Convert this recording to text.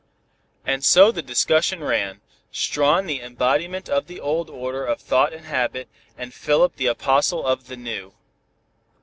And so the discussion ran, Strawn the embodiment of the old order of thought and habit, and Philip the apostle of the new.